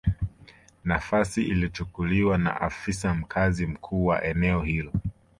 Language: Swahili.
Nafasi ilichukuliwa na afisa mkazi mkuu wa eneo hilo